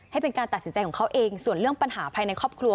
ให้เป็นการตัดสินใจของเขาเองส่วนเรื่องปัญหาภายในครอบครัว